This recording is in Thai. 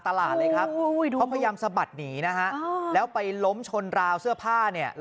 เขาพยายามสะบัดหนีนะฮะแล้วไปล้มชนราวเสื้อผ้าเนี่ย